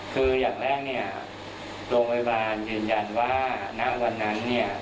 คืออย่างแรกเนี่ยโรงพยาบาลยืนยันว่าณวันนั้นเนี่ย